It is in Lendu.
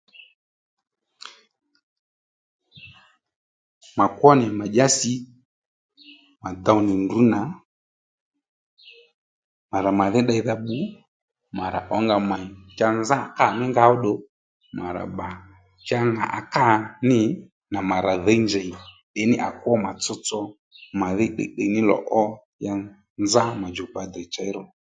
Mà kwó nì mà dyási mà dow nì ndrǔ nà mà rà màdhí ddeydha bbu mà rà ǒnga mèy cha nzá à kâ mí nga óddù mà rà bbà cha ŋà à kâ nî mà rà dhǐy njèy ì ní à kwó mà tsotso màdhí tdiytdiy ní lò ó ya nzá mà djùkpa dèy chěy ro